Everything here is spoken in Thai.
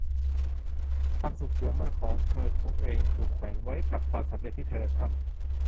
ความสุขอย่างมากของเธอเองถูกแขวนไว้กับความสำเร็จที่เธอทำ